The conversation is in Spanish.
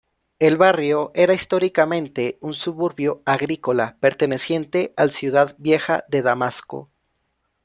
El barrio era históricamente un suburbio agrícola perteneciente al Ciudad Vieja de Damasco.